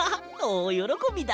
おおよろこびだ！